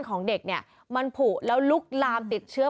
ของเด็กเนี่ยมันผูกแล้วลุกลามติดเชื้อ